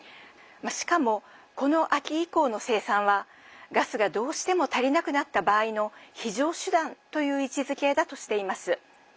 しかも、この秋以降の生産はガスがどうしても足りなくなった場合の非常手段という位置づけだとしています。